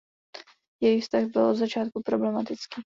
Jejich vztah byl od začátku problematický.